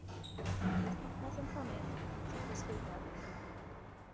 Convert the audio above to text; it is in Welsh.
Roedd popeth yn llonydd ac eto'n ddisgwylgar.